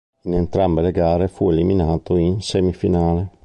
In entrambe le gare fu eliminato in semifinale.